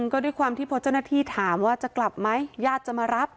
ก็ด้วยความที่พอเจ้าหน้าที่ถามว่าจะกลับไหมญาติจะมารับ